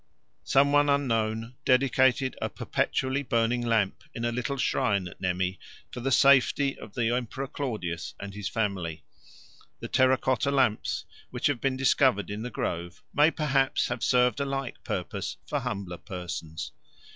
Some one unknown dedicated a perpetually burning lamp in a little shrine at Nemi for the safety of the Emperor Claudius and his family. The terra cotta lamps which have been discovered in the grove may perhaps have served a like purpose for humbler persons.